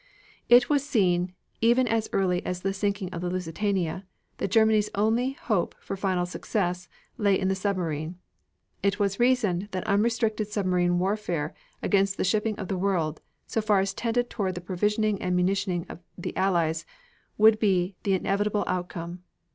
It was seen even as early as the sinking of the Lusitania that Germany's only hope for final success lay in the submarine. It was reasoned that unrestricted submarine warfare against the shipping of the world, so far as tended toward the provisioning and munitioning of the Allies, would be the inevitable outcome.